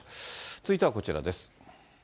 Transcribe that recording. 続いてはこちらです。